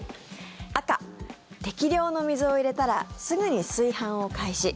赤、適量の水を入れたらすぐに炊飯を開始。